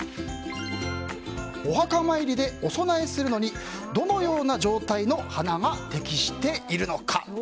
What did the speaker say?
お墓参りでお供えするのにどのような状態の花が適しているのか。